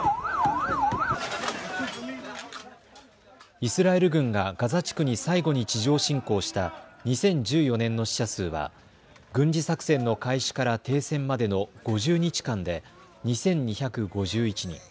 イスラエル軍がガザ地区に最後に地上侵攻した２０１４年の死者数は軍事作戦の開始から停戦までの５０日間で２２５１人。